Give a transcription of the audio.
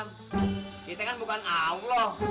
kita kan bukan allah